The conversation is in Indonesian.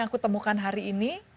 aku temukan hari ini